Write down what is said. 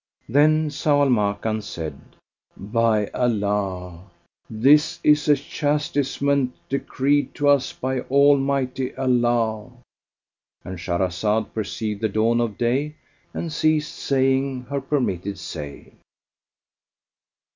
Then Zau Al Makan said, "By Allah, this is a chastisement decreed to us by Almighty Allah!"—And Shahrazad perceived the dawn of day and ceased saying her permitted say.